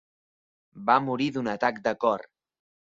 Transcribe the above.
Va morir d'un atac de cor.